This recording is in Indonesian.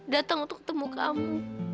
datang untuk ketemu kamu